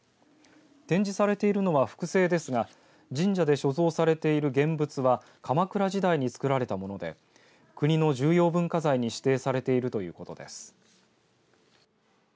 展示されているのは複製ですが神社で所蔵されている現物は鎌倉時代に作られたもので国の重要文化財に指定されているということです。